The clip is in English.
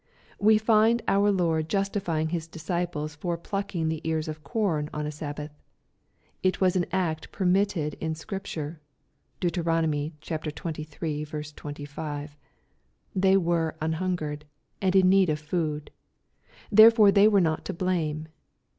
We find our Lord justifying His disciples for plucking the ears of corn on a Sabbath. It was an act permitted in Scripture. (Dent, xxiii. 25.) They "^ were an hungered," and in need of food. Therefore they were not to blame.